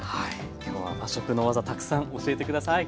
今日は和食の技たくさん教えて下さい。